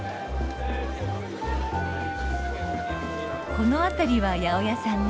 この辺りは八百屋さんね。